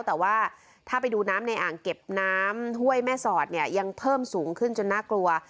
แต่ว่าถ้าไปดูน้ำในอ่างเก็บน้ำห้วยแม่สอดเนี่ยยังเพิ่มสูงขึ้นจนน่ากลัว